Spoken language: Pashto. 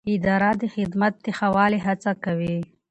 اداره د خدمت د ښه والي هڅه کوي.